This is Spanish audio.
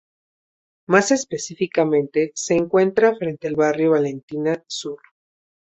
Más específicamente, se encuentra frente al barrio Valentina Sur.